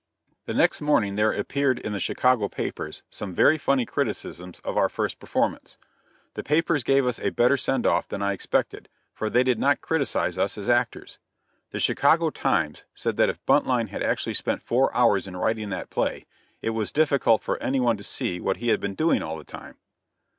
The next morning there appeared in the Chicago papers some very funny criticisms on our first performance. The papers gave us a better send off than I expected, for they did not criticise us as actors. The Chicago Times said that if Buntline had actually spent four hours in writing that play, it was difficult for any one to see what he had been doing all the time.